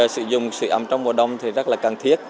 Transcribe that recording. sử dụng sữa ấm trong mùa đông thì rất là cần thiết